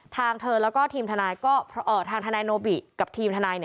ทางเธอแล้วก็ทีมทางทนายโนบิกับทีมทนาย